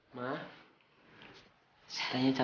jadi aku sudah tanya